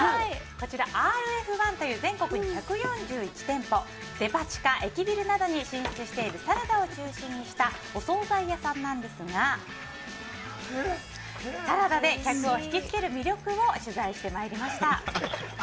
ＲＦ−１という全国１４１店舗デパ地下、駅ビルなどに進出したサラダなどのお総菜屋さんですがサラダで客を引きつける魅力を取材してまいりました。